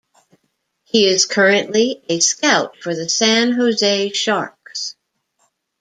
He is currently a scout for the San Jose Sharks.